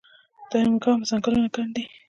دانګام ځنګلونه ګڼ دي؟